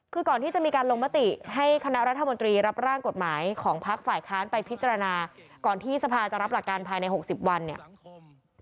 คือก่อนที่จะมีการลงมติให้คณะรัฐมนตรีรับร่างกฎหมายของพักฝ่ายค้านไปพิจารณาก่อนที่สภาจะรับหลักการภายใน๖๐วันเนี่ย